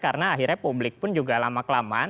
karena akhirnya publik pun juga lama kelamaan